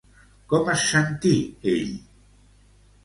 Com es sentí ell?